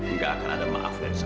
enggak akan ada maaf dari saya